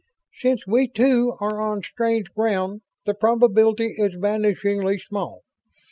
"Since we, too, are on strange ground the probability is vanishingly small.